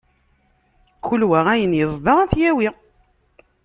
Kul wa ayen iẓda ad t-yawi.